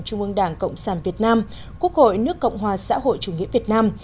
chung mương đảng cộng sản việt nam quốc hội nước cộng hòa xã hội chủ nghĩa việt nam